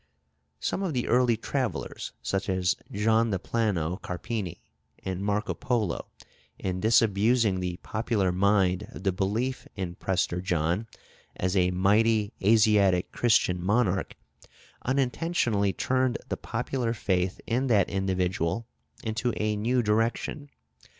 Some of the early travellers, such as John de Plano Carpini and Marco Polo, in disabusing the popular mind of the belief in Prester John as a mighty Asiatic Christian monarch, unintentionally turned the popular faith in that individual into a new direction.